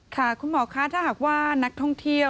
ค่ะคุณหมอคะถ้าหากว่านักท่องเที่ยว